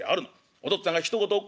お父っつぁんがひと言おっ